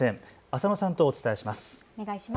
浅野さんとお伝えします。